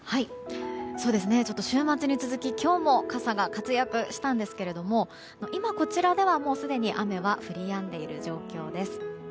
ちょっと週末に続き今日も傘が活躍したんですが今こちらでは、もうすでに雨は降りやんでいる状況です。